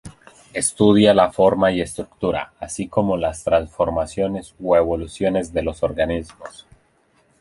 Estudia la forma y estructura así como las transformaciones o evoluciones de los organismos.